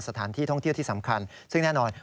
สถานที่ท่องเที่ยวที่สำคัญซึ่งแน่นอน